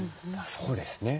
そうですね。